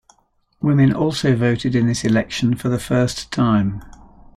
Women also voted in this election for the first time.